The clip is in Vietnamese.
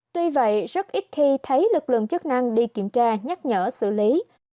tuy vậy rất ít khi thấy lực lượng chức năng đi kiểm tra nhắc nhở xử lý